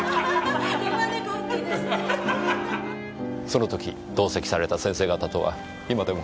その時同席された先生方とは今でも？